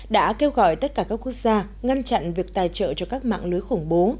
đã kêu gọi tất cả các quốc gia ngăn chặn việc tài trợ cho các mạng lưới khủng bố